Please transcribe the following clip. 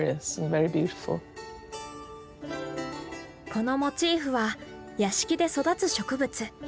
このモチーフは屋敷で育つ植物。